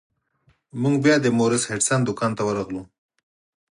موږ بیا د مورس هډسن دکان ته ورغلو.